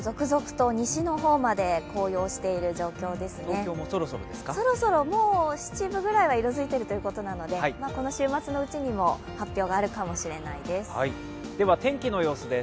東京もそろそろ、７分くらいは色づいているということなのでこの週末のうちにも発表があるかもしれないです。